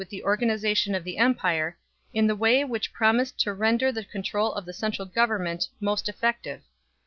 171 the organization of the empire, in the way which promised to render the control of the central government most effective.